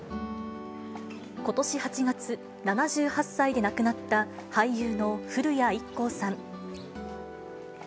ことし８月、７８歳で亡くなった俳優の古谷一行さん。